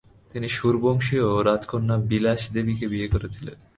তিনি সূর বংশীয় রাজকন্যা বিলাশদেবীকে বিয়ে করেছিলেন।